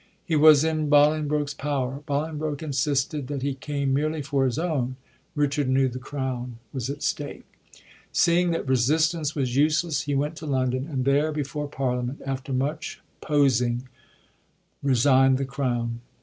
He was in Bolingbroke's power. Boling broke insisted that he came merely for his own ; Richard knew the crown was at stake. Seeing that resistance was useless, he went to London, and there before Parlia ment, after much posing, resignd the crown.